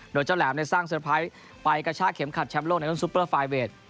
โดยเจ้าแหลมสร้างเซอร์ไพรส์ไปกระชากเข็มขัดแชมป์โลกในรุ่นซุปเปอร์ไฟเวท